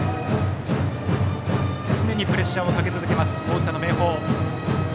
常にプレッシャーをかけ続ける大分の明豊。